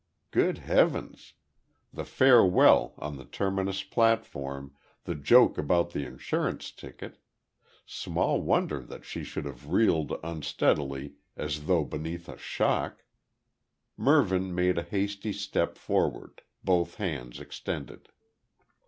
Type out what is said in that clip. Good Heavens! The farewell on the terminus platform, the joke about the insurance ticket small wonder that she should have reeled unsteadily as though beneath a shock. Mervyn made a hasty step forward, both hands extended.